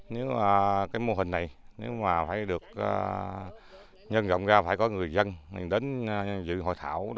nếu mà cái mô hình này nếu mà phải được nhân rộng ra phải có người dân mình đến dự hội thảo